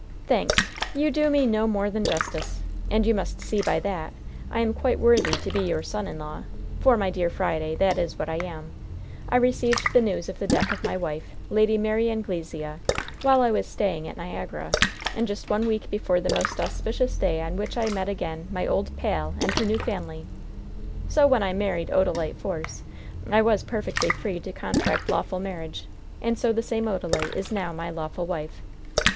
"Thanks. You do me no more than justice. And you must see by that I am quite worthy to be your son in law; for, my dear Friday, that is what I am. I received the news of the death of my wife, Lady Mary Anglesea, while I was staying at Niagara, and just one week before the most auspicious day on which I met again my old 'pal' and her new family. So, when I married Odalite Force, I was perfectly free to contract lawful marriage, and so the same Odalite is now my lawful wife.